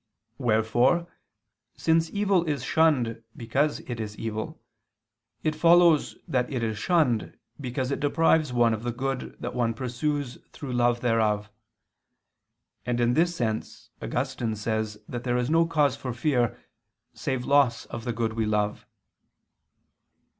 Wherefore, since evil is shunned because it is evil, it follows that it is shunned because it deprives one of the good that one pursues through love thereof. And in this sense Augustine says that there is no cause for fear, save loss of the good we love.